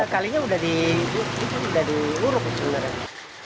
kalinya udah diuruk sebenarnya